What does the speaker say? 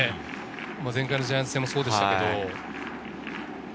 前回のジャイアンツ戦もそうでした。